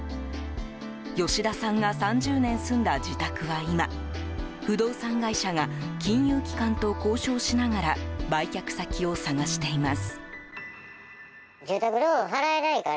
吉田さんが３０年住んだ自宅は今不動産会社が金融機関と交渉しながら売却先を探しています。